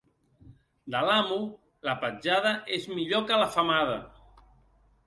De l'amo, la petjada, és millor que la femada.